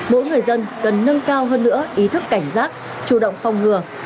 mỗi người dân cần nâng cao hơn nữa ý thức cảnh giác chủ động phòng ngừa